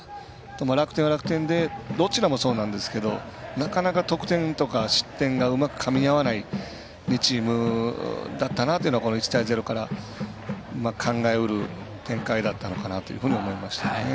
楽天は楽天でどちらもそうなんですけどなかなか、得点とか失点がうまく、かみ合わない２チームだったなというのはこの１対０から考えうる展開なのかなと思いましたね。